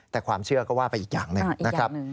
แต่ความเชื่อก็ว่าไปอีกอย่างหนึ่งนะครับ